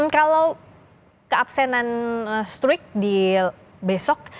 kalau keabsenan street di besok